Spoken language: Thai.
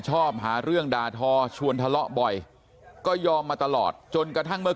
ชอบหาเรื่องด่าทอชวนทะเลาะบ่อยก็ยอมมาตลอดจนกระทั่งเมื่อ